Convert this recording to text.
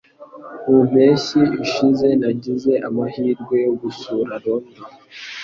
Mu mpeshyi ishize nagize amahirwe yo gusura London.